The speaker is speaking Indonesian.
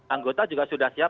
anggota juga sudah siap